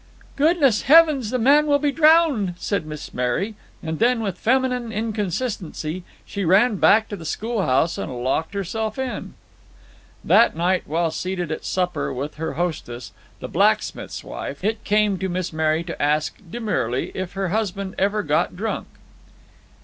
"Goodness heavens! the man will be drowned!" said Miss Mary; and then, with feminine inconsistency, she ran back to the schoolhouse and locked herself in. That night, while seated at supper with her hostess, the blacksmith's wife, it came to Miss Mary to ask, demurely, if her husband ever got drunk.